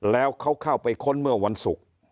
แล้วเขาเข้าไปค้นเมื่อวันศุกร์